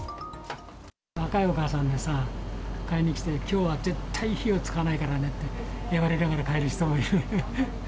若いお母さんがさ、買いに来て、きょうは絶対火は使わないからねって言われながら帰る人もいる。